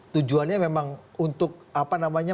tujuannya memang untuk apa namanya